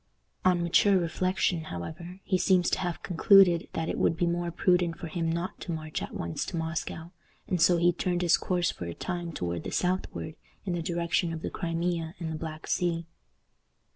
On mature reflection, however, he seems to have concluded that it would be more prudent for him not to march at once to Moscow, and so he turned his course for a time toward the southward, in the direction of the Crimea and the Black Sea.